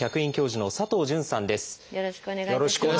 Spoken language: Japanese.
よろしくお願いします。